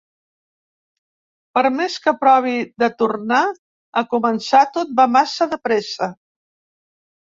Per més que provi de tornar a començar tot va massa de pressa.